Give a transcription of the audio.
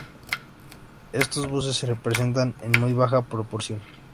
Estos buses se presentan en muy baja proporción.